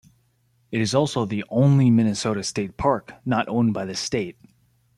It is also the only Minnesota state park not owned by the state.